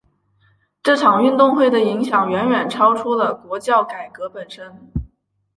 这场运动的影响远远超出了国教改革本身。